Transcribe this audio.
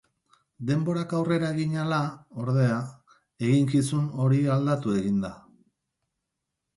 Denborak aurrera egin ahala, ordea, eginkizun hori aldatu egin da.